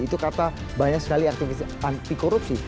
itu kata banyak sekali aktivis anti korupsi